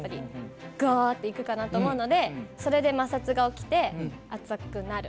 がって行くかなと思うのでそれで摩擦が起きて熱くなる。